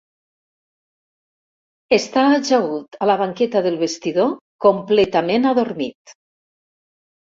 Està ajagut a la banqueta del vestidor, completament adormit.